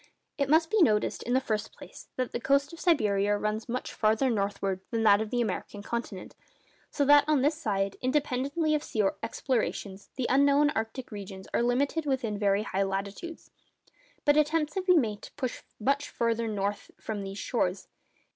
It must be noticed, in the first place, that the coast of Siberia runs much farther northward than that of the American continent. So that on this side, independently of sea explorations, the unknown arctic regions are limited within very high latitudes. But attempts have been made to push much farther north from these shores.